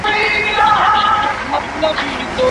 نوروز بې مېلو نه وي.